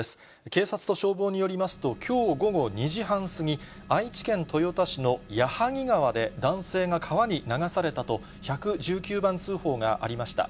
警察と消防によりますと、きょう午後２時半過ぎ、愛知県豊田市の矢作川で、男性が川に流されたと１１９番通報がありました。